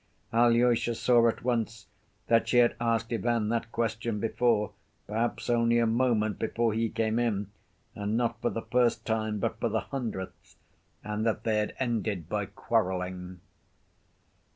Alyosha saw at once that she had asked Ivan that question before, perhaps only a moment before he came in, and not for the first time, but for the hundredth, and that they had ended by quarreling.